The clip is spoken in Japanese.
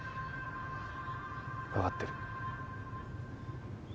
わかってる。